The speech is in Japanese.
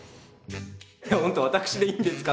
本当私でいいんですか？